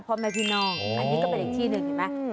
พ่อแม่พี่น้องอันนี้ก็เป็นอีกที่หนึ่งเห็นไหม